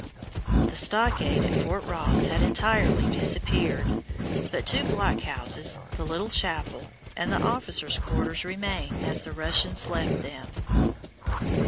The stockade at Fort Ross has entirely disappeared, but two blockhouses, the little chapel, and the officers' quarters remain as the Russians left them.